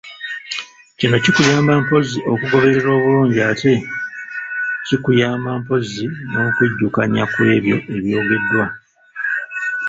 Kino kikuyamba mpozzi okugoberera obulungi ate kikuyamba mpozzi n’okwejjukanya ku ebyo ebyogeddwa.